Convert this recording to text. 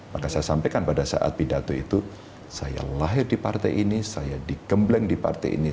maka saya sampaikan pada saat pidato itu saya lahir di partai ini saya digembleng di partai ini